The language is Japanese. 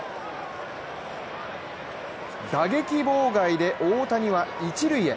打撃妨害で大谷は一塁へ。